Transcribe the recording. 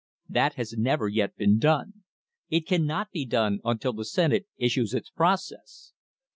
That has never yet been done. It cannot be done until the Senate issues its process.